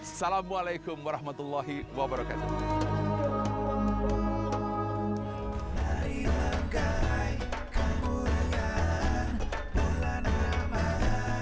assalamualaikum warahmatullahi wabarakatuh